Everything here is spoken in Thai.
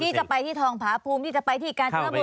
ที่จะไปที่ทองผาภูมิที่จะไปที่กาญจนบุรี